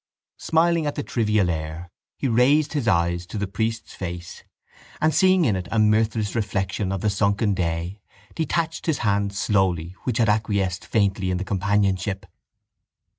Smiling at the trivial air he raised his eyes to the priest's face and, seeing in it a mirthless reflection of the sunken day, detached his hand slowly which had acquiesced faintly in that companionship.